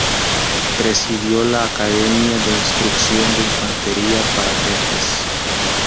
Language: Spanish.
Presidió la Academia de Instrucción de Infantería para Jefes.